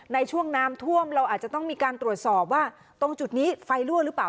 ในช่วงน้ำท่วมเราอาจจะต้องมีการตรวจสอบว่าตรงจุดนี้ไฟรั่วหรือเปล่า